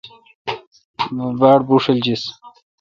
بہ باڑ بھوݭل جس۔